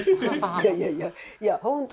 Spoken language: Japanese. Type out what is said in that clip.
いやいやいやいや本当